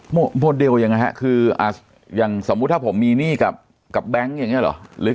โหมดเดียวก็ยังไงฮะคือสมมุติถ้าผมมีหนี้กับแบงก์อย่างนี้หรอ